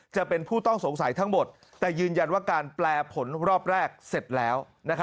จะเป็นผู้ต้องสงสัยทั้งหมดแต่ยืนยันว่าการแปลผลรอบแรกเสร็จแล้ว